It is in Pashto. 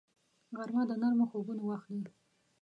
غرمه د نرمو خوبونو وخت دی